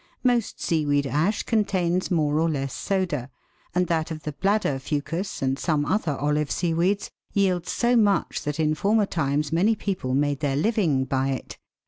Most sea weed ash contains more or less soda, and that of the bladder fucus and some other olive seaweeds, yields so much that in former times many people made their living by it.